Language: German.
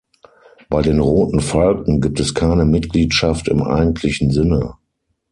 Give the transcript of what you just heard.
Bei den Roten Falken gibt es keine Mitgliedschaft im eigentlichen Sinne.